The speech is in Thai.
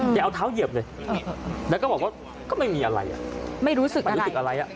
แกเอาเท้าเหยียบเลยแล้วก็บอกว่าก็ไม่มีอะไรไม่รู้สึกอะไร